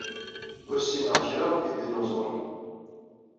Ur ssineɣ kra ɣef yidinuẓuren.